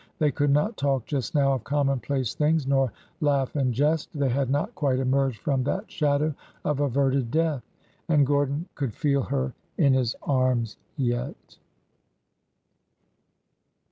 They could not talk just now of commonplace things, iior laugh and jest. They had not quite emerged from that shadow of averted death. And Gordon could feel her in his arms yet